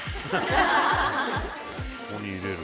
ここに入れる？